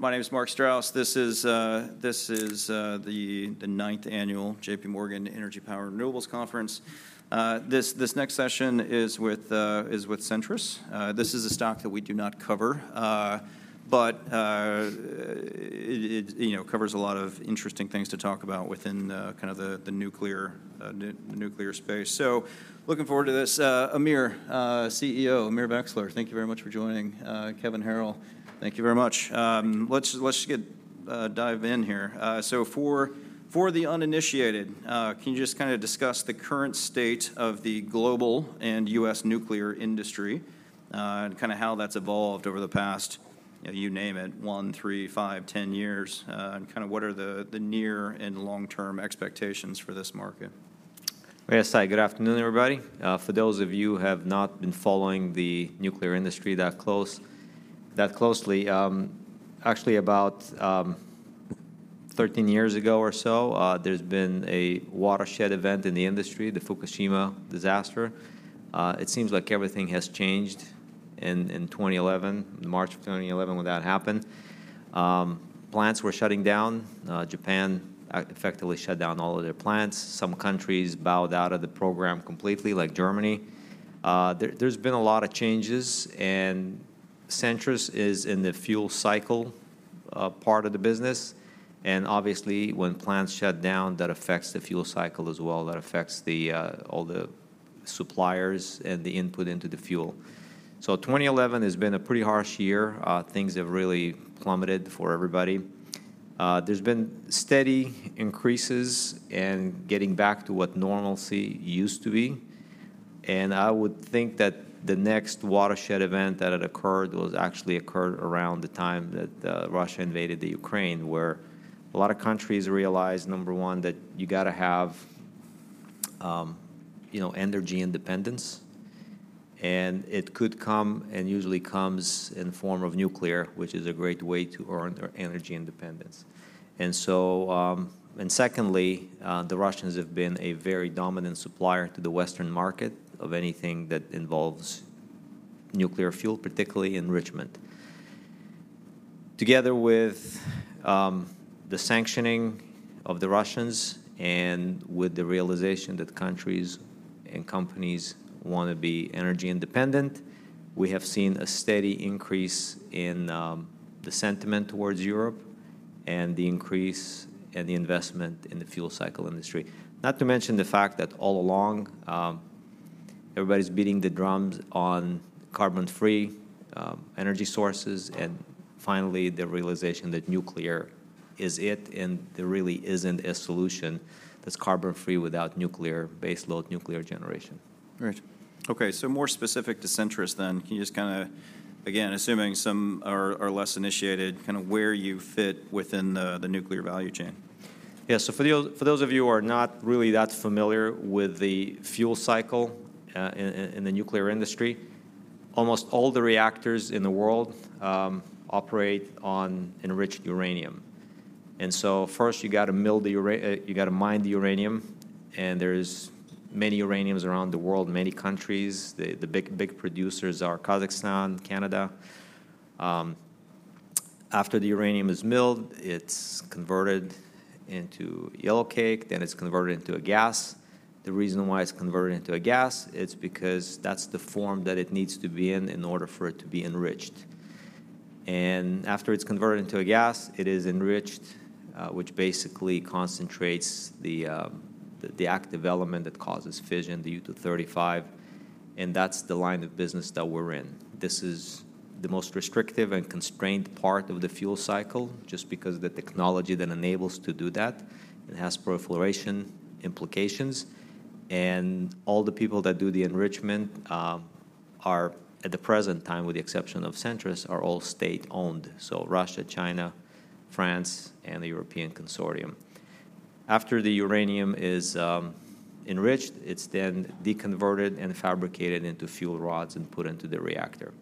My name is Mark Strouse. This is the ninth annual JPMorgan Energy, Power, and Renewables Conference. This next session is with Centrus. This is a stock that we do not cover, but, you know, covers a lot of interesting things to talk about within, kind of the nuclear space. So looking forward to this. Amir, CEO, Amir Vexler, thank you very much for joining. Kevin Harrill, thank you very much. Let's dive in here. So for the uninitiated, can you just kind of discuss the current state of the global and U.S. nuclear industry, and kind of how that's evolved over the past, you know, you name it, one, three, five, 10 years, and kind of what are the near- and long-term expectations for this market? Yes, hi. Good afternoon, everybody. For those of you who have not been following the nuclear industry that closely, actually about 13 years ago or so, there's been a watershed event in the industry, the Fukushima disaster. It seems like everything has changed in 2011, March of 2011, when that happened. Plants were shutting down. Japan effectively shut down all of their plants. Some countries bowed out of the program completely, like Germany. There's been a lot of changes, and Centrus is in the fuel cycle, part of the business. Obviously, when plants shut down, that affects the fuel cycle as well. That affects the all the suppliers and the input into the fuel. So 2011 has been a pretty harsh year. Things have really plummeted for everybody. There's been steady increases and getting back to what normalcy used to be. I would think that the next watershed event that had occurred was actually occurred around the time that Russia invaded Ukraine, where a lot of countries realized, number one, that you got to have, you know, energy independence. And it could come and usually comes in the form of nuclear, which is a great way to earn energy independence. And so, and secondly, the Russians have been a very dominant supplier to the Western market of anything that involves nuclear fuel, particularly enrichment. Together with the sanctioning of the Russians and with the realization that countries and companies want to be energy independent, we have seen a steady increase in the sentiment towards Europe and the increase and the investment in the fuel cycle industry. Not to mention the fact that all along, everybody's beating the drums on carbon-free energy sources. And finally, the realization that nuclear is it, and there really isn't a solution that's carbon-free without nuclear baseload nuclear generation. Right. Okay. So more specific to Centrus then, can you just kind of, again, assuming some are less initiated, kind of where you fit within the nuclear value chain? Yeah. So for those of you who are not really that familiar with the fuel cycle, in the nuclear industry, almost all the reactors in the world operate on enriched uranium. So first you got to mine the uranium. And there's many uraniums around the world, many countries. The big producers are Kazakhstan, Canada. After the uranium is milled, it's converted into yellowcake. Then it's converted into a gas. The reason why it's converted into a gas is because that's the form that it needs to be in order for it to be enriched. And after it's converted into a gas, it is enriched, which basically concentrates the active element that causes fission, the U-235. And that's the line of business that we're in. This is the most restrictive and constrained part of the fuel cycle, just because of the technology that enables to do that. It has proliferation implications. All the people that do the enrichment are, at the present time, with the exception of Centrus, all state-owned. So Russia, China, France, and the European Consortium. After the uranium is enriched, it's then deconverted and fabricated into fuel rods and put into the reactor.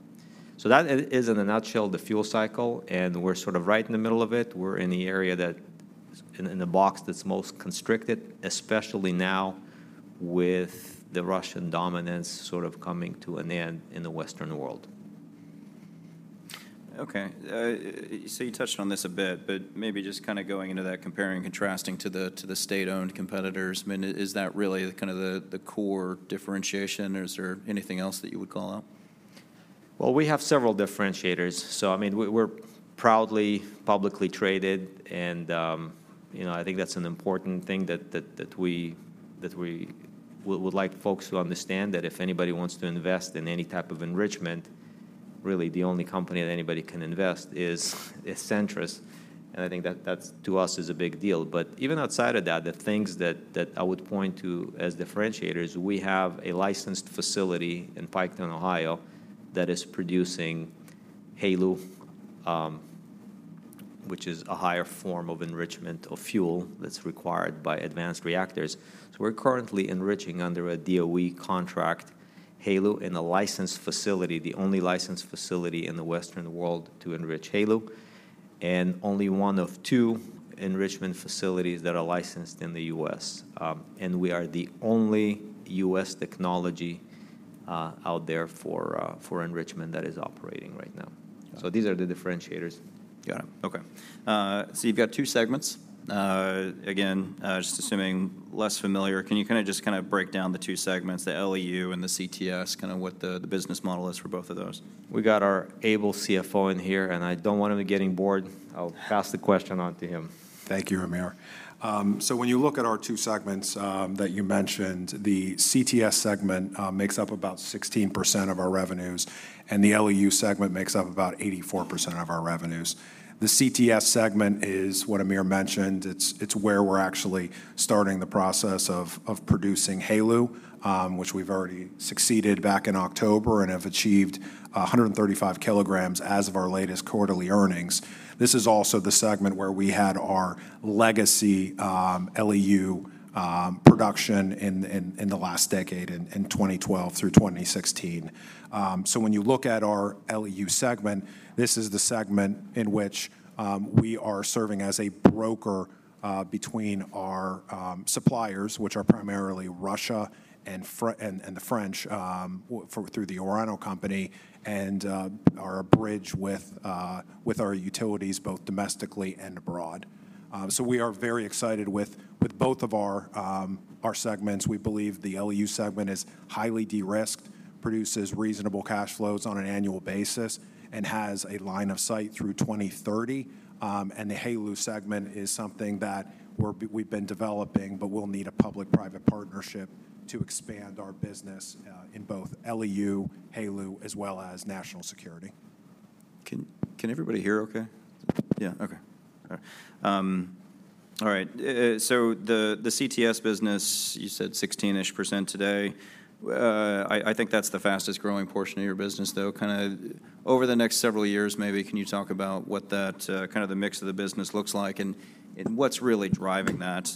That is, in a nutshell, the fuel cycle. We're sort of right in the middle of it. We're in the area that's in the box that's most constricted, especially now with the Russian dominance sort of coming to an end in the Western world. Okay. So you touched on this a bit, but maybe just kind of going into that, comparing and contrasting to the state-owned competitors, I mean, is that really kind of the core differentiation? Is there anything else that you would call out? Well, we have several differentiators. So, I mean, we're proudly publicly traded. And, you know, I think that's an important thing that we would like folks to understand that if anybody wants to invest in any type of enrichment, really the only company that anybody can invest is Centrus. And I think that that's, to us, is a big deal. But even outside of that, the things that I would point to as differentiators, we have a licensed facility in Piketon, Ohio, that is producing HALEU, which is a higher form of enrichment of fuel that's required by advanced reactors. So we're currently enriching under a DOE contract, HALEU in a licensed facility, the only licensed facility in the Western world to enrich HALEU, and only one of two enrichment facilities that are licensed in the U.S. and we are the only U.S. technology out there for enrichment that is operating right now. So these are the differentiators. Got it. Okay. So you've got two segments. Again, just assuming less familiar, can you kind of just kind of break down the two segments, the LEU and the CTS, kind of what the the business model is for both of those? We got our able CFO in here, and I don't want him getting bored. I'll pass the question on to him. Thank you, Amir. When you look at our two segments that you mentioned, the CTS segment makes up about 16% of our revenues, and the LEU segment makes up about 84% of our revenues. The CTS segment is what Amir mentioned. It's where we're actually starting the process of producing HALEU, which we've already succeeded back in October and have achieved 135 kilograms as of our latest quarterly earnings. This is also the segment where we had our legacy LEU production in the last decade, in 2012 through 2016. When you look at our LEU segment, this is the segment in which we are serving as a broker between our suppliers, which are primarily Russia and the French, for through the Orano company and our bridge with our utilities, both domestically and abroad. So we are very excited with both of our segments. We believe the LEU segment is highly de-risked, produces reasonable cash flows on an annual basis, and has a line of sight through 2030. And the HALEU segment is something that we've been developing, but we'll need a public-private partnership to expand our business, in both LEU, HALEU, as well as national security. Can everybody hear okay? Yeah. Okay. All right. All right. So the CTS business, you said 16-ish% today. I think that's the fastest growing portion of your business, though. Kind of over the next several years, maybe, can you talk about what that, kind of the mix of the business looks like and what's really driving that?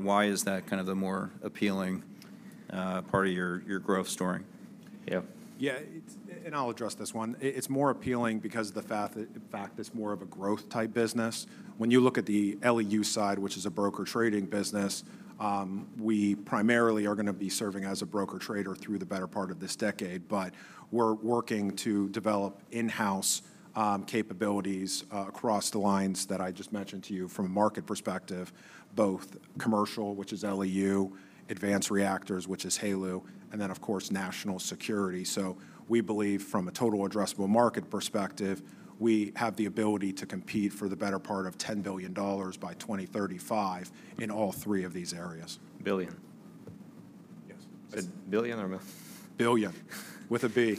Why is that kind of the more appealing part of your growth story? Yeah. Yeah. And I'll address this one. It's more appealing because of the fact that in fact, it's more of a growth-type business. When you look at the LEU side, which is a broker-trading business, we primarily are going to be serving as a broker-trader through the better part of this decade. But we're working to develop in-house capabilities across the lines that I just mentioned to you from a market perspective, both commercial, which is LEU, advanced reactors, which is HALEU, and then, of course, national security. So we believe from a total addressable market perspective, we have the ability to compete for the better part of $10 billion by 2035 in all three of these areas. Billion. Yes. A billion or a million? Billion, with a B.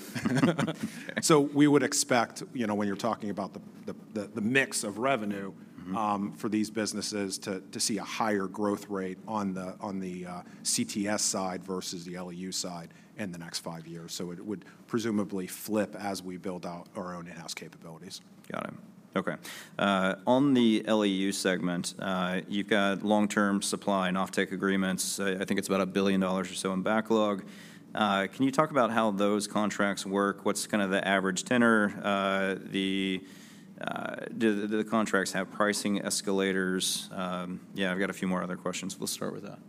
So we would expect, you know, when you're talking about the mix of revenue, for these businesses to see a higher growth rate on the CTS side versus the LEU side in the next five years. So it would presumably flip as we build out our own in-house capabilities. Got it. Okay. On the LEU segment, you've got long-term supply and offtake agreements. I think it's about $1 billion or so in backlog. Can you talk about how those contracts work? What's kind of the average tenor? Do the contracts have pricing escalators? Yeah, I've got a few more other questions. We'll start with that.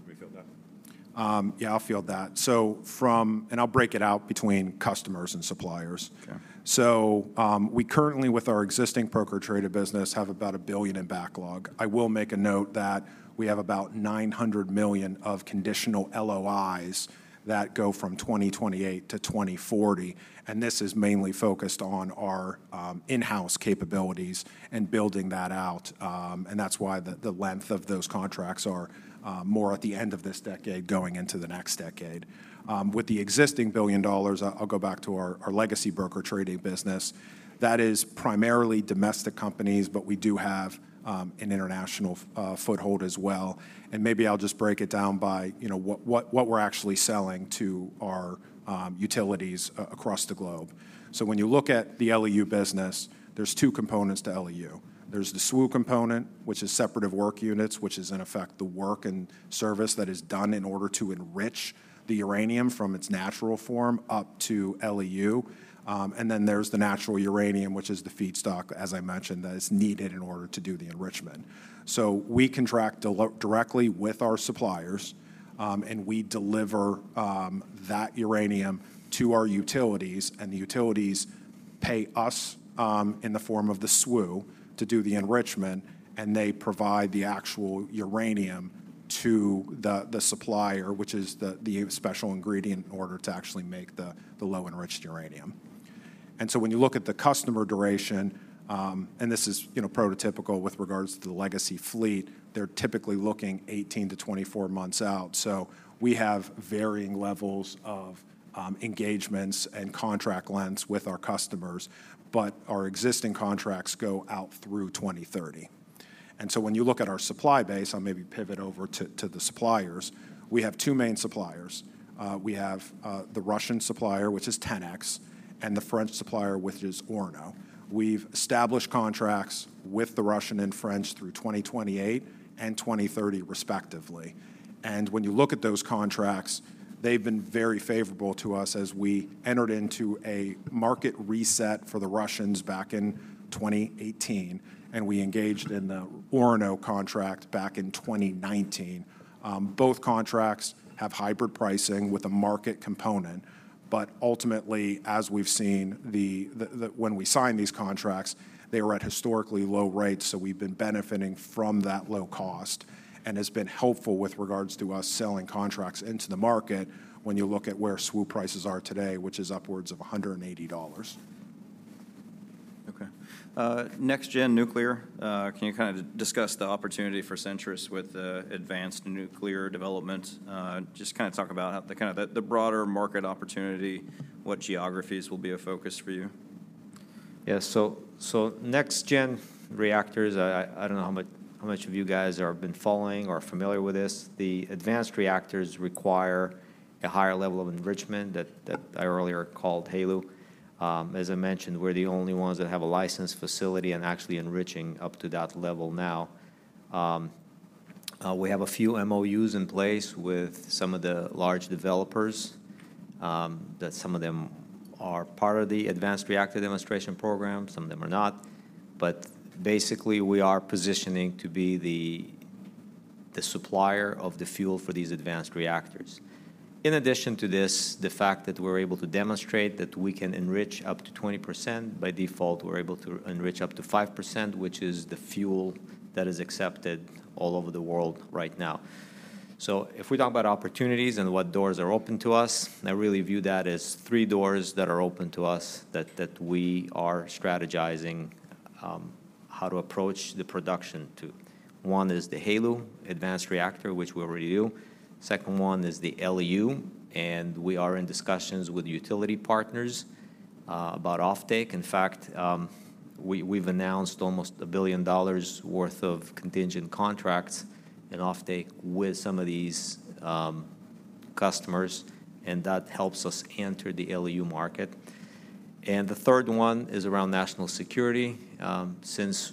Let me field that. Yeah, I'll field that. So from and I'll break it out between customers and suppliers. Okay. So, we currently, with our existing broker-trader business, have about $1 billion in backlog. I will make a note that we have about $900 million of conditional LOIs that go from 2028 to 2040. And this is mainly focused on our in-house capabilities and building that out. And that's why the length of those contracts are more at the end of this decade going into the next decade. With the existing $1 billion, I'll go back to our legacy broker-trading business. That is primarily domestic companies, but we do have an international foothold as well. And maybe I'll just break it down by, you know, what we're actually selling to our utilities across the globe. So when you look at the LEU business, there's two components to LEU. There's the SWU component, which is separative work units, which is, in effect, the work and service that is done in order to enrich the uranium from its natural form up to LEU. And then there's the natural uranium, which is the feedstock, as I mentioned, that is needed in order to do the enrichment. So we contract directly with our suppliers, and we deliver that uranium to our utilities. And the utilities pay us, in the form of the SWU to do the enrichment. And they provide the actual uranium to the supplier, which is the special ingredient in order to actually make the low-enriched uranium. And so when you look at the contract duration, and this is, you know, prototypical with regards to the legacy fleet, they're typically looking 18-24 months out. So we have varying levels of engagements and contract lengths with our customers. But our existing contracts go out through 2030. And so when you look at our supply base, I'll maybe pivot over to the suppliers. We have two main suppliers. We have the Russian supplier, which is Tenex, and the French supplier, which is Orano. We've established contracts with the Russian and French through 2028 and 2030, respectively. And when you look at those contracts, they've been very favorable to us as we entered into a market reset for the Russians back in 2018. And we engaged in the Orano contract back in 2019. Both contracts have hybrid pricing with a market component. But ultimately, as we've seen, when we signed these contracts, they were at historically low rates. So we've been benefiting from that low cost. And it's been helpful with regards to us selling contracts into the market when you look at where SWU prices are today, which is upwards of $180. Okay. Next-gen nuclear. Can you kind of discuss the opportunity for Centrus with the advanced nuclear development? Just kind of talk about how the kind of the broader market opportunity, what geographies will be a focus for you? Yeah. So next-gen reactors, I don't know how much of you guys are been following or familiar with this. The advanced reactors require a higher level of enrichment that I earlier called HALEU. As I mentioned, we're the only ones that have a licensed facility and actually enriching up to that level now. We have a few MOUs in place with some of the large developers, that some of them are part of the Advanced Reactor Demonstration Program. Some of them are not. But basically, we are positioning to be the supplier of the fuel for these advanced reactors. In addition to this, the fact that we're able to demonstrate that we can enrich up to 20%, by default, we're able to enrich up to 5%, which is the fuel that is accepted all over the world right now. So if we talk about opportunities and what doors are open to us, I really view that as three doors that are open to us that we are strategizing how to approach the production too. One is the HALEU advanced reactor, which we already do. Second one is the LEU. And we are in discussions with utility partners about offtake. In fact, we've announced almost $1 billion worth of contingent contracts in offtake with some of these customers. And that helps us enter the LEU market. And the third one is around national security. Since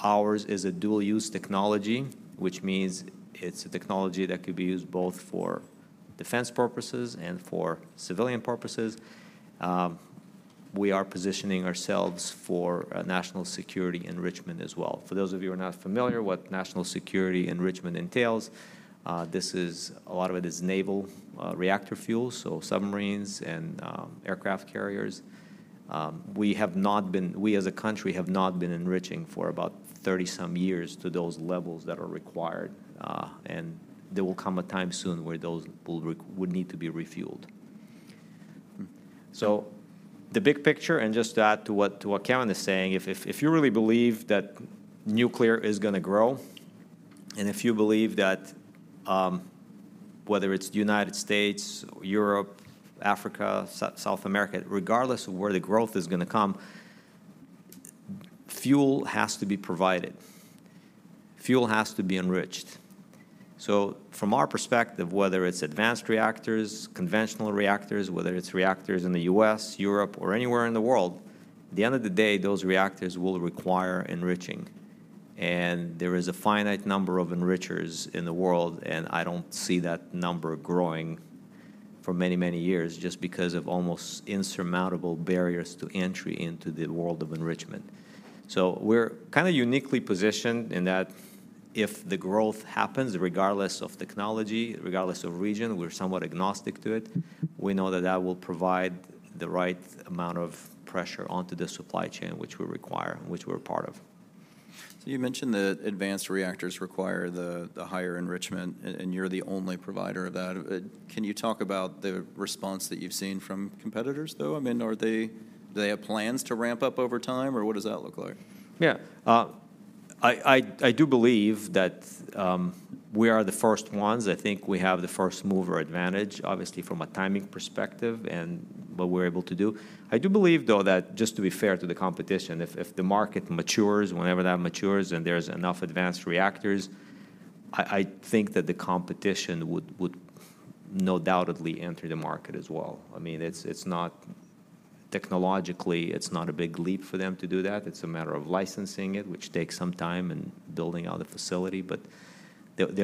ours is a dual-use technology, which means it's a technology that could be used both for defense purposes and for civilian purposes, we are positioning ourselves for national security enrichment as well. For those of you who are not familiar with what national security enrichment entails, this is a lot of it is naval reactor fuels, so submarines and aircraft carriers. We as a country have not been enriching for about 30-some years to those levels that are required. There will come a time soon where those would need to be refueled. So the big picture, and just to add to what Kevin is saying, if you really believe that nuclear is going to grow, and if you believe that, whether it's the United States, Europe, Africa, South America, regardless of where the growth is going to come, fuel has to be provided. Fuel has to be enriched. From our perspective, whether it's advanced reactors, conventional reactors, whether it's reactors in the U.S., Europe, or anywhere in the world, at the end of the day, those reactors will require enriching. There is a finite number of enrichers in the world. I don't see that number growing for many, many years just because of almost insurmountable barriers to entry into the world of enrichment. We're kind of uniquely positioned in that if the growth happens, regardless of technology, regardless of region, we're somewhat agnostic to it. We know that that will provide the right amount of pressure onto the supply chain, which we require, which we're a part of. So you mentioned that advanced reactors require the higher enrichment, and you're the only provider of that. Can you talk about the response that you've seen from competitors, though? I mean, do they have plans to ramp up over time, or what does that look like? Yeah. I do believe that we are the first ones. I think we have the first-mover advantage, obviously, from a timing perspective and what we're able to do. I do believe, though, that just to be fair to the competition, if the market matures, whenever that matures, and there's enough advanced reactors, I think that the competition would undoubtedly enter the market as well. I mean, it's not technologically, it's not a big leap for them to do that. It's a matter of licensing it, which takes some time and building out a facility. But, again,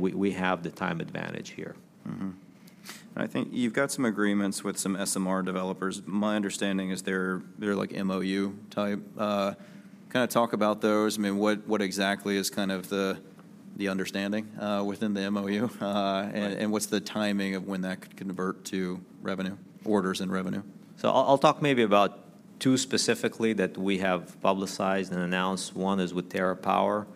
we have the time advantage here. Mm-hmm. And I think you've got some agreements with some SMR developers. My understanding is they're like MOU-type. Kind of talk about those. I mean, what exactly is kind of the understanding within the MOU? And what's the timing of when that could convert to revenue, orders in revenue? So I'll talk maybe about two specifically that we have publicized and announced. One is with TerraPower.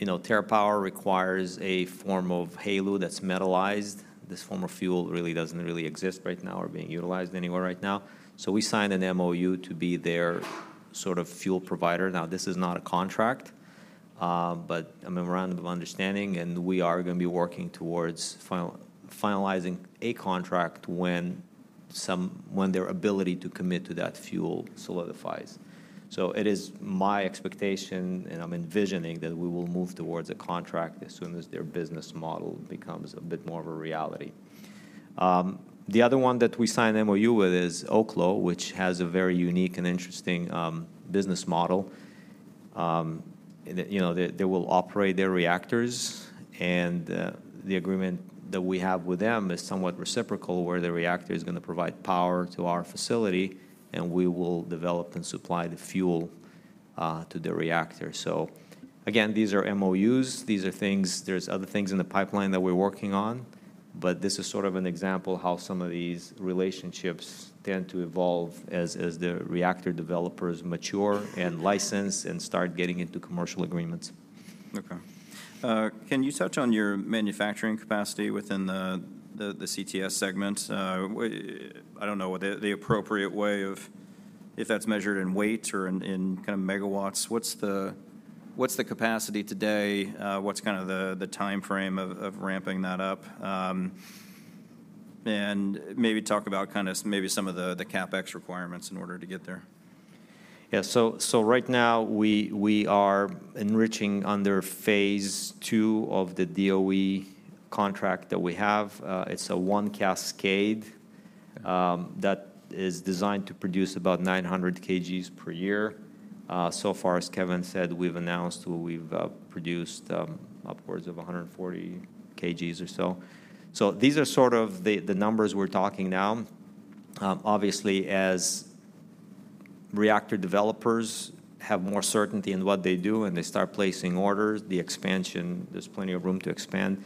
You know, TerraPower requires a form of HALEU that's metalized. This form of fuel really doesn't exist right now or being utilized anywhere right now. So we signed an MOU to be their sort of fuel provider. Now, this is not a contract, but a memorandum of understanding. And we are going to be working towards finalizing a contract when their ability to commit to that fuel solidifies. So it is my expectation, and I'm envisioning that we will move towards a contract as soon as their business model becomes a bit more of a reality. The other one that we signed an MOU with is Oklo, which has a very unique and interesting business model. You know, they will operate their reactors. The agreement that we have with them is somewhat reciprocal, where the reactor is going to provide power to our facility, and we will develop and supply the fuel to the reactor. So, again, these are MOUs. These are things. There's other things in the pipeline that we're working on. But this is sort of an example of how some of these relationships tend to evolve as the reactor developers mature and license and start getting into commercial agreements. Okay. Can you touch on your manufacturing capacity within the CTS segment? I don't know what the appropriate way of if that's measured in weights or in kind of megawatts. What's the capacity today? What's kind of the time frame of ramping that up? And maybe talk about kind of maybe some of the CapEx requirements in order to get there. Yeah. So right now, we are enriching under phase two of the DOE contract that we have. It's a one cascade that is designed to produce about 900 kg per year. So far, as Kevin said, we've announced we've produced upwards of 140 kg or so. So these are sort of the numbers we're talking now. Obviously, as reactor developers have more certainty in what they do and they start placing orders, the expansion, there's plenty of room to expand.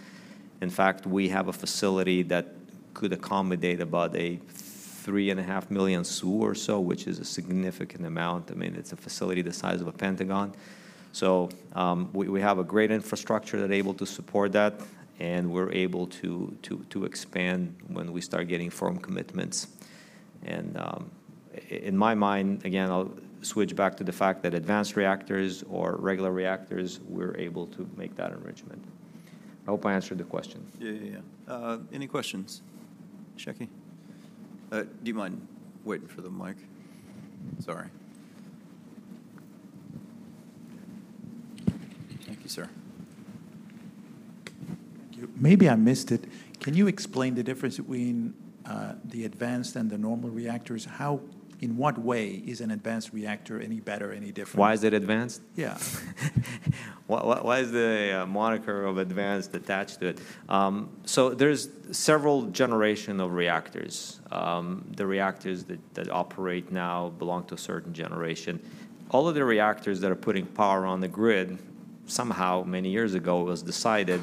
In fact, we have a facility that could accommodate about 3.5 million SWU or so, which is a significant amount. I mean, it's a facility the size of a Pentagon. So, we have a great infrastructure that are able to support that. And we're able to expand when we start getting firm commitments. In my mind, again, I'll switch back to the fact that advanced reactors or regular reactors, we're able to make that enrichment. I hope I answered the question. Yeah, yeah, yeah. Any questions? Shaki. Do you mind waiting for the mic? Sorry. Thank you, sir. Thank you. Maybe I missed it. Can you explain the difference between the advanced and the normal reactors? How, in what way, is an advanced reactor any better, any different? Why is it advanced? Yeah. Why is the moniker of advanced attached to it? So there's several generations of reactors. The reactors that operate now belong to a certain generation. All of the reactors that are putting power on the grid, somehow, many years ago, it was decided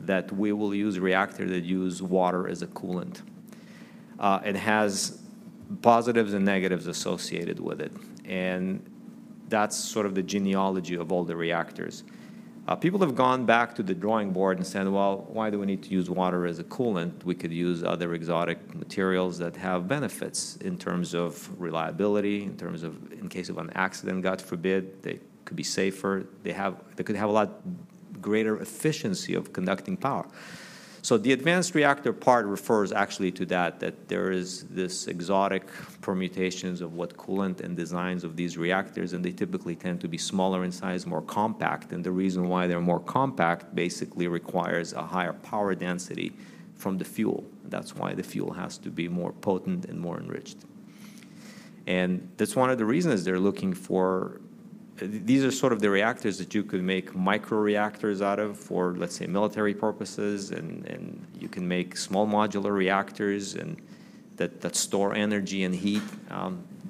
that we will use reactors that use water as a coolant. It has positives and negatives associated with it. And that's sort of the genealogy of all the reactors. People have gone back to the drawing board and said, well, why do we need to use water as a coolant? We could use other exotic materials that have benefits in terms of reliability, in terms of in case of an accident, God forbid, they could be safer. They could have a lot greater efficiency of conducting power. So the advanced reactor part refers actually to that there is this exotic permutations of what coolant and designs of these reactors. And they typically tend to be smaller in size, more compact. And the reason why they're more compact basically requires a higher power density from the fuel. That's why the fuel has to be more potent and more enriched. And that's one of the reasons they're looking for these are sort of the reactors that you could make micro reactors out of for, let's say, military purposes. And you can make small modular reactors and that store energy and heat.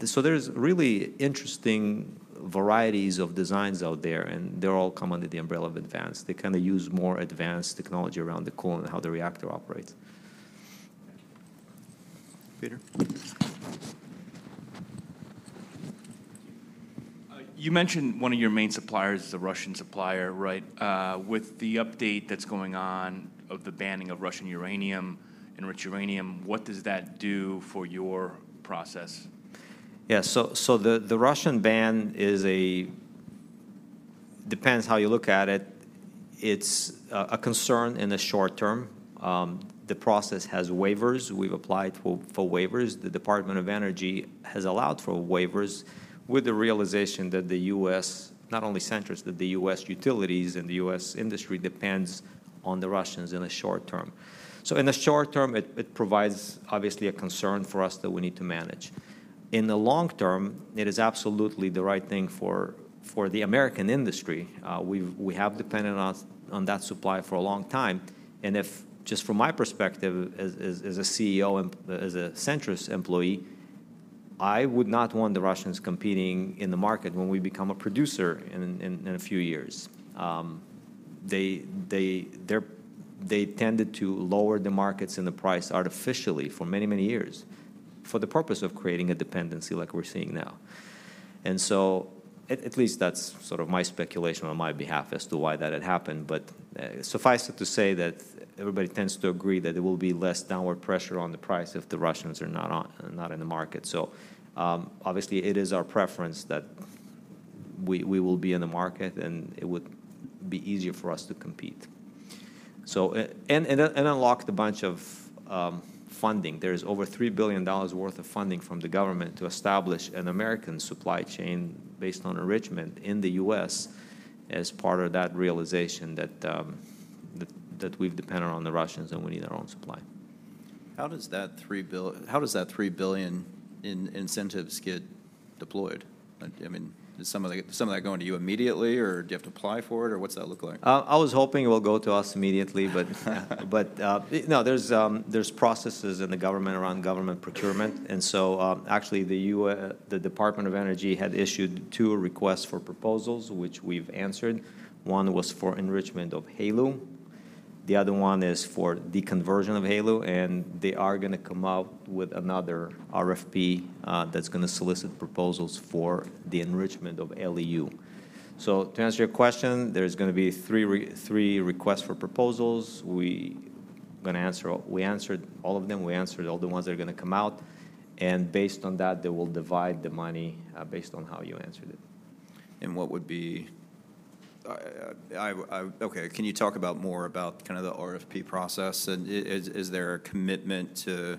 So there's really interesting varieties of designs out there. And they all come under the umbrella of advanced. They kind of use more advanced technology around the coolant and how the reactor operates. Peter. You mentioned one of your main suppliers is a Russian supplier, right? With the update that's going on of the banning of Russian uranium, enriched uranium, what does that do for your process? Yeah. So the Russian ban is—it depends how you look at it. It's a concern in the short term. The process has waivers. We've applied for waivers. The Department of Energy has allowed for waivers with the realization that the U.S., not only Centrus, but the U.S. utilities and the U.S. industry depends on the Russians in the short term. So in the short term, it provides, obviously, a concern for us that we need to manage. In the long term, it is absolutely the right thing for the American industry. We have depended on that supply for a long time. And just from my perspective as a CEO and as a Centrus employee, I would not want the Russians competing in the market when we become a producer in a few years. They tended to lower the markets and the price artificially for many, many years for the purpose of creating a dependency like we're seeing now. And so at least that's sort of my speculation on my behalf as to why that had happened. But suffice it to say that everybody tends to agree that there will be less downward pressure on the price if the Russians are not in the market. So, obviously, it is our preference that we will be in the market, and it would be easier for us to compete. So and unlocked a bunch of funding. There is over $3 billion worth of funding from the government to establish an American supply chain based on enrichment in the U.S. as part of that realization that we've depended on the Russians and we need our own supply. How does that $3 billion in incentives get deployed? I mean, is some of that going to you immediately, or do you have to apply for it, or what's that look like? I was hoping it will go to us immediately, but no, there's processes in the government around government procurement. And so, actually, the U.S. Department of Energy had issued two requests for proposals, which we've answered. One was for enrichment of HALEU. The other one is for deconversion of HALEU. And they are going to come out with another RFP, that's going to solicit proposals for the enrichment of LEU. So to answer your question, there's going to be three requests for proposals. We're going to answer. We answered all of them. We answered all the ones that are going to come out. And based on that, they will divide the money based on how you answered it. And what would be okay? Can you talk more about kind of the RFP process? And is there a commitment to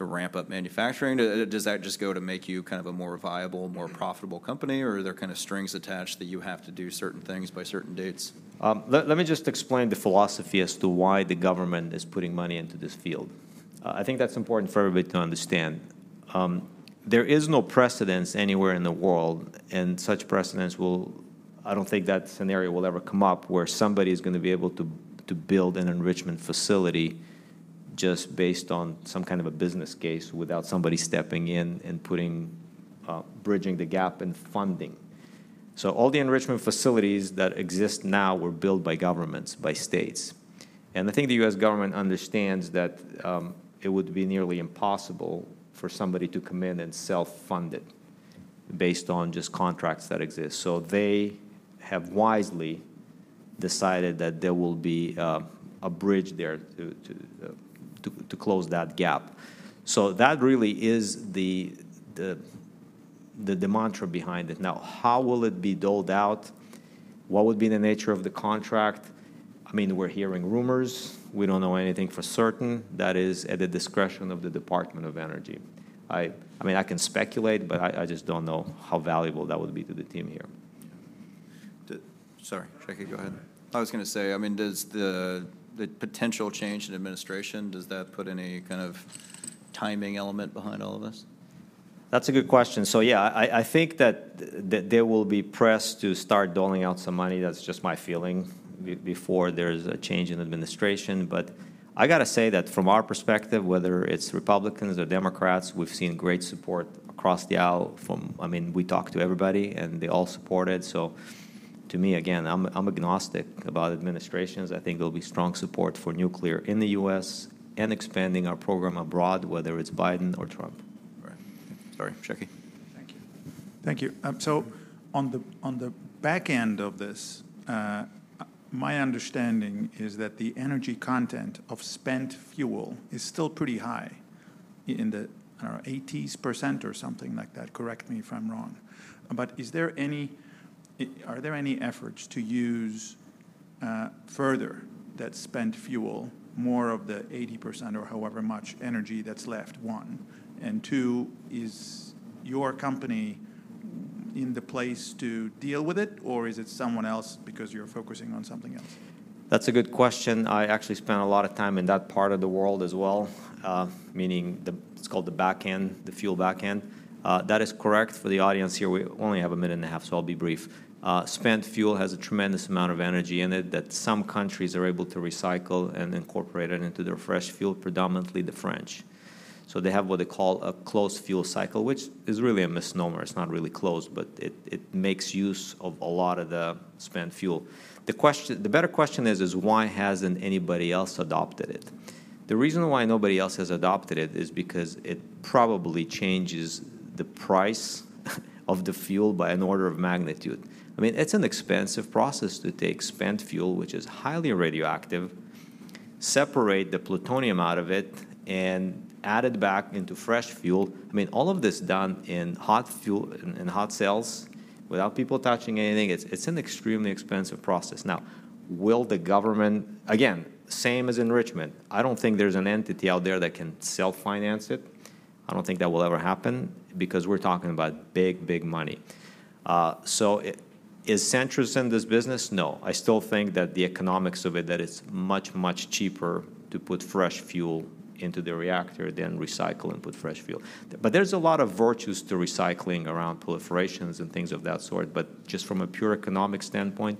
ramp up manufacturing? Does that just go to make you kind of a more viable, more profitable company, or are there kind of strings attached that you have to do certain things by certain dates? Let me just explain the philosophy as to why the government is putting money into this field. I think that's important for everybody to understand. There is no precedent anywhere in the world. And such precedent will, I don't think, that scenario will ever come up where somebody is going to be able to build an enrichment facility just based on some kind of a business case without somebody stepping in and putting bridging the gap in funding. So all the enrichment facilities that exist now were built by governments, by states. And I think the U.S. government understands that, it would be nearly impossible for somebody to come in and self-fund it based on just contracts that exist. So they have wisely decided that there will be a bridge there to close that gap. So that really is the mantra behind it. Now, how will it be doled out? What would be the nature of the contract? I mean, we're hearing rumors. We don't know anything for certain. That is at the discretion of the Department of Energy. I mean, I just don't know how valuable that would be to the team here. Sorry. Shaki, go ahead. I was going to say, I mean, does the potential change in administration, does that put any kind of timing element behind all of this? That's a good question. So, yeah, I think that there will be press to start doling out some money. That's just my feeling before there's a change in administration. But I got to say that from our perspective, whether it's Republicans or Democrats, we've seen great support across the aisle from I mean, we talked to everybody, and they all support it. So, to me, again, I'm agnostic about administrations. I think there'll be strong support for nuclear in the U.S. and expanding our program abroad, whether it's Biden or Trump. Right. Sorry. Shaki. Thank you. Thank you. So on the back end of this, my understanding is that the energy content of spent fuel is still pretty high in the, I don't know, 80% or something like that. Correct me if I'm wrong. But are there any efforts to use further that spent fuel, more of the 80% or however much energy that's left, one? And two, is your company in the place to deal with it, or is it someone else because you're focusing on something else? That's a good question. I actually spent a lot of time in that part of the world as well, meaning the, it's called the back end, the fuel back end. That is correct. For the audience here, we only have a minute and a half, so I'll be brief. Spent fuel has a tremendous amount of energy in it that some countries are able to recycle and incorporate it into their fresh fuel, predominantly the French. So they have what they call a closed fuel cycle, which is really a misnomer. It's not really closed, but it makes use of a lot of the spent fuel. The better question is, why hasn't anybody else adopted it? The reason why nobody else has adopted it is because it probably changes the price of the fuel by an order of magnitude. I mean, it's an expensive process to take spent fuel, which is highly radioactive, separate the plutonium out of it, and add it back into fresh fuel. I mean, all of this done in hot cells without people touching anything. It's it's an extremely expensive process. Now, will the government again, same as enrichment. I don't think there's an entity out there that can self-finance it. I don't think that will ever happen because we're talking about big, big money. So is Centrus in this business? No. I still think that the economics of it, that it's much, much cheaper to put fresh fuel into the reactor than recycle and put fresh fuel. But there's a lot of virtues to recycling around proliferations and things of that sort. But just from a pure economic standpoint,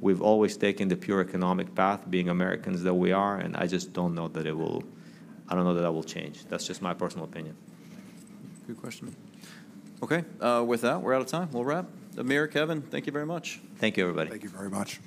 we've always taken the pure economic path, being Americans that we are. I just don't know that it will. I don't know that that will change. That's just my personal opinion. Good question. Okay. With that, we're out of time. We'll wrap. Amir, Kevin, thank you very much. Thank you, everybody. Thank you very much.